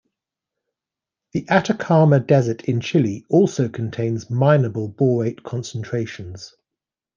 The Atacama Desert in Chile also contains mineable borate concentrations.